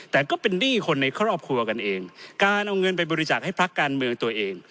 แต่ก็เป็นหนี้คนในครอบครัวกันเองการเอาเงินไปบริจาคให้พักการเมืองตัวเอง